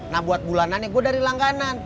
nah buat bulanannya gue dari langganan